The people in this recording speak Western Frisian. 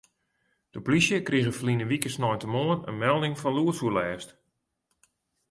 De polysje krige ferline wike sneintemoarn in melding fan lûdsoerlêst.